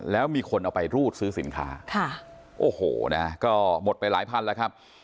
แล้วมีคนเอาไปรูดซื้อสินค้าค่ะโอ้โหนะก็หมดไปหลายพันแล้วครับ